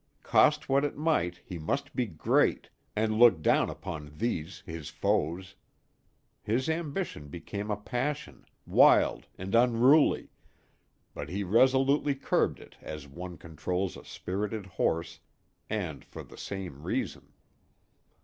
Cost what it might he must be great, and look down upon these his foes. His ambition became a passion, wild and unruly, but he resolutely curbed it as one controls a spirited horse, and for the same reason.